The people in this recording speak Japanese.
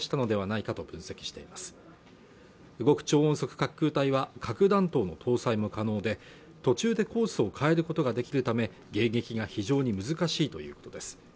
滑空体は核弾頭の搭載も可能で途中でコースを変えることができるため迎撃が非常に難しいということです